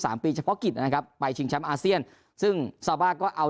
ปีเฉพาะกิจนะครับไปชิงแชมป์อาเซียนซึ่งซาบ้าก็เอา